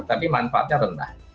tapi manfaatnya rendah